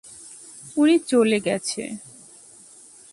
উনি চলে গেছে।